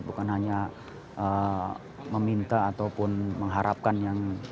bukan hanya meminta ataupun mengharapkan yang